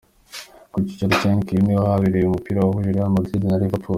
Ku cyicaro cya Heineken niho barebeye uyu mupira wahuje Real Madrid na Liverpool.